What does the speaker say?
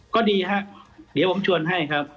ก็ดีครับเดี๋ยวผมชวนให้ครับ